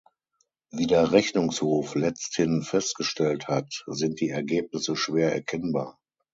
Wie der Rechnungshof letzthin festgestellt hat, sind die Ergebnisse schwer erkennbar.